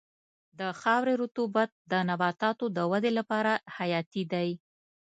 د خاورې رطوبت د نباتاتو د ودې لپاره حیاتي دی.